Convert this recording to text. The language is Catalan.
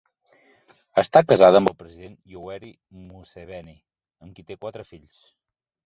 Està casada amb el president Yoweri Museveni, amb qui té quatre fills.